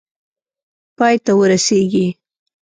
پای ته ورسیږي.